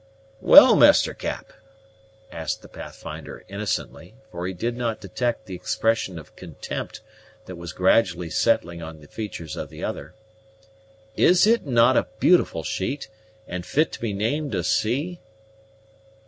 "Well, Master Cap," asked the Pathfinder innocently, for he did not detect the expression of contempt that was gradually settling on the features of the other; "is it not a beautiful sheet, and fit to be named a sea?"